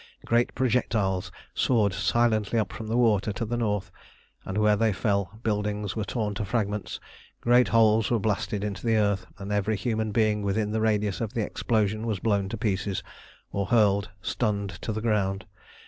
Great projectiles soared silently up from the water to the north, and where they fell buildings were torn to fragments, great holes were blasted into the earth, and every human being within the radius of the explosion was blown to pieces, or hurled stunned to the ground.